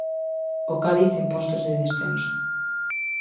O Cádiz en postos de descenso.